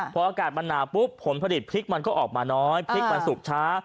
พออากาศมันหนาวปุ๊บผลผลิตพริกมันก็ออกมาน้อยพริกมันสุกช้า